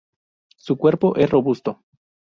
Su cuerpo es robusto.